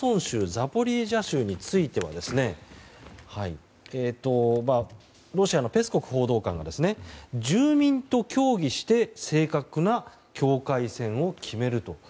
ザポリージャ州についてはロシアのペスコフ報道官が住民と協議して正確な境界線を決めると。